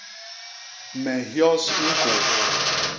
Me nhyos ñkôô.